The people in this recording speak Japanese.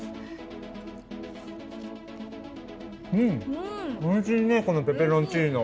うんおいしいねこのペペロンチーノ。